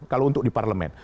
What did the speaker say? kalau untuk di parlemen